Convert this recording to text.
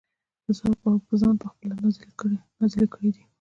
پۀ ځان پۀ خپله نازلې کړي دي -